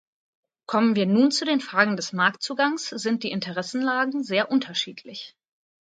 Kommen wir nun zu den Fragen des Marktzugangssind die Interessenlagen sehr unterschiedlich.